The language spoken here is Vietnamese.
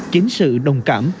chiến sự đồng cảm